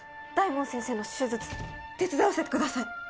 大門先生の手術手伝わせてください！